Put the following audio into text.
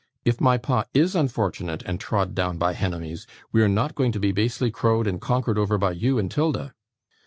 If my pa IS unfortunate and trod down by henemies, we're not going to be basely crowed and conquered over by you and 'Tilda.